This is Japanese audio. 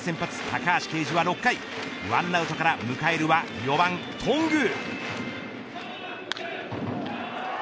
高橋奎二は６回１アウトから迎えるは４番頓宮。